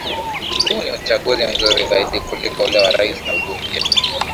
huu ni uchaguzi mzuri zaidi kuliko ule wa urais na ubunge